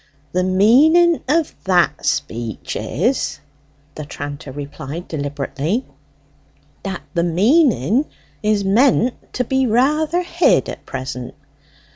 "The meaning of that speech is," the tranter replied deliberately, "that the meaning is meant to be rather hid at present.